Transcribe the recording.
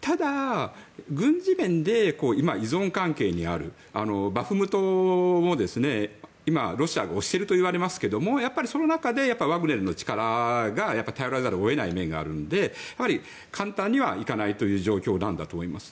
ただ、軍事面で今、依存関係にあるバフムトを今ロシアが押してるといわれますけどやっぱりその中でワグネルの力に頼らざるを得ない面があるので簡単にはいかないという状況なんだと思います。